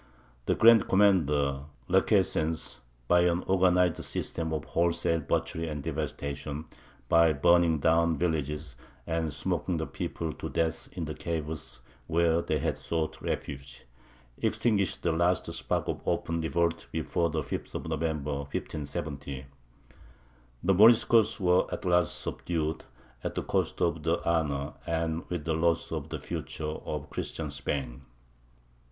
The Grand Commander, Requesens, by an organized system of wholesale butchery and devastation, by burning down villages, and smoking the people to death in the caves where they had sought refuge, extinguished the last spark of open revolt before the 5th of November, 1570. The Moriscos were at last subdued, at the cost of the honour, and with the loss of the future, of Christian Spain.